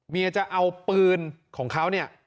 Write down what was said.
เมียจะเอาปืนของเขาเนี่ย